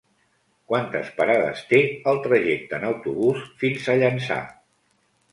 Quantes parades té el trajecte en autobús fins a Llançà?